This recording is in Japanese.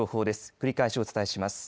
繰り返しお伝えします。